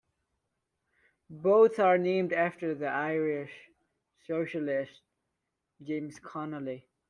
Both are named after the Irish socialist James Connolly.